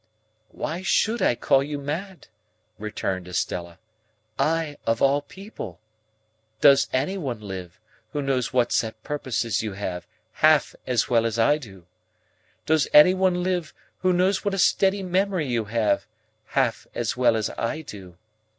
"Why should I call you mad," returned Estella, "I, of all people? Does any one live, who knows what set purposes you have, half as well as I do? Does any one live, who knows what a steady memory you have, half as well as I do?